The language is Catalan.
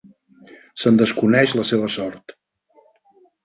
Se'n desconeix la seva sort.